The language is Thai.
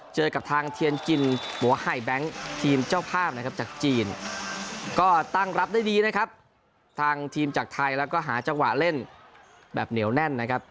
เจอกับทางเทียนจินหัวไฮแบงค์